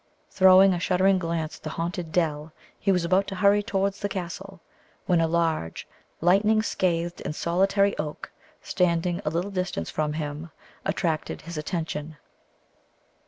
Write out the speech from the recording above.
Throwing a shuddering glance at the haunted dell, he was about to hurry towards the castle, when a large, lightning scathed, and solitary oak, standing a little distance from him, attracted his attention.